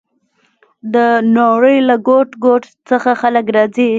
د نړۍ له ګوټ ګوټ څخه خلک راځي.